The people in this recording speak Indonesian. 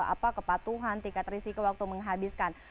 apa kepatuhan tingkat risiko waktu menghabiskan